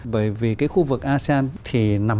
bởi vì cái khu vực asean thì nằm ở